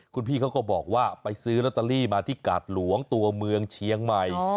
คุณพี่เขาก็บอกว่าไปซื้อลอตเตอรี่มาที่กาดหลวงตัวเมืองเชียงใหม่